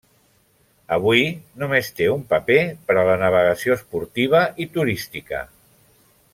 Avui, només té un paper per a la navegació esportiva i turística.